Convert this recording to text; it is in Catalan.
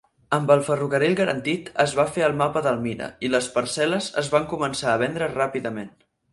Amb el ferrocarril garantit, es va fer el mapa d'Almira i les parcel·les es van començar a vendre ràpidament.